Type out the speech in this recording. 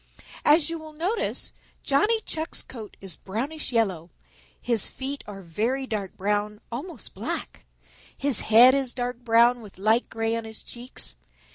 "As you will notice, Johnny Chuck's coat is brownish yellow, his feet are very dark brown, almost black. His head is dark brown with light gray on his cheeks.